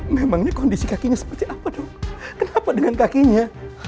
memangnya kondisi kakinya seperti apa tuh kenapa dengan kakinya